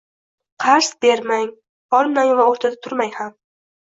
Qazr bermang, olmang va o‘rtada turmang ham